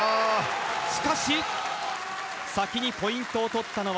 しかし、先にポイントを取ったのは